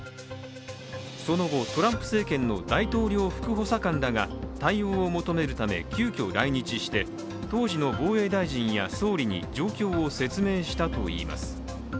その後、トランプ政権の大統領副補佐官らが対応を求めるため急きょ来日して、当時の防衛大臣や総理に状況を説明したといいます。